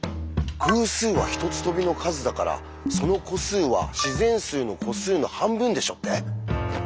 「偶数は１つ飛びの数だからその個数は自然数の個数の半分でしょ」って？